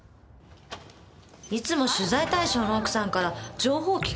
いつも取材対象の奥さんから情報を聞き出そうとするんです。